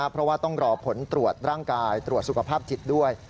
เพราะว่าต้องรอผลตรวจร่างกายตรวจสุขภาพจิตด้วย